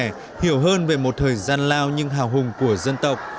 giúp các trẻ hiểu hơn về một thời gian lao nhưng hào hùng của dân tộc